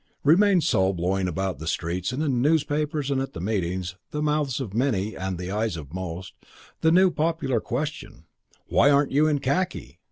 II Remained also, blowing about the streets, in the newspapers and at meetings, in the mouths of many, and in the eyes of most, the new popular question, "Why aren't you in khaki?"